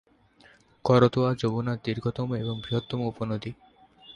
করতোয়া যমুনার দীর্ঘতম এবং বৃহত্তম উপনদী।